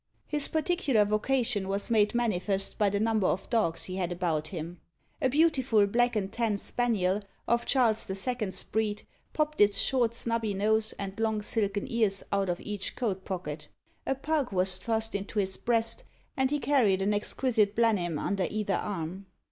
His particular vocation was made manifest by the number of dogs he had about him. A beautiful black and tan spaniel, of Charles the Second's breed, popped its short snubby nose and long silken ears out of each coat pocket. A pug was thrust into his breast, and he carried an exquisite Blenheim under either arm.